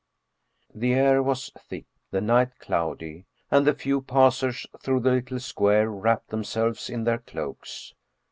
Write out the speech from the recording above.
The air was thick, the night cloudy, and the few passers through the little square wrapped them selves in their cloaks.